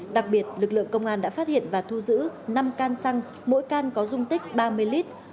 đặc biệt lực lượng công an đã phát hiện và thu giữ năm can xăng mỗi can có dung tích ba mươi lít